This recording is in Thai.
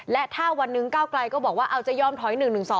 และถ้าวันหนึ่งก้าวไกลก็บอกว่าเอาจะยอมถอย๑๑๒